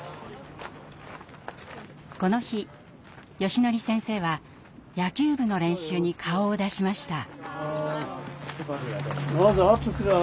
この日よしのり先生は野球部の練習に顔を出しました。